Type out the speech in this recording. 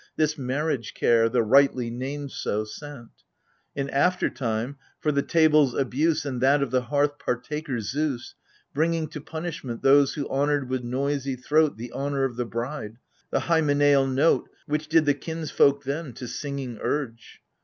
AGAMEMx\ON. 59 This marriage care — the rightly named so — sent : In after time, for the tables' abuse And that of the hearth partaker Zeus, Bringing to punishment Those who honored with noisy throat The honor of the bride, the hymenaeal note Which did the kinsfolk then to singing urge.